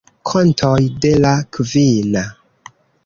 Kontoj de la Kvina.